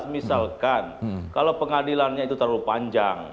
misalkan kalau pengadilannya itu terlalu panjang